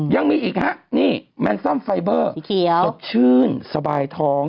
ยังมีอีกฮะนี่แมนซัมไฟเบอร์สดชื่นสบายทอง